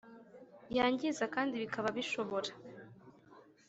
yangiza kandi bikaba bishobora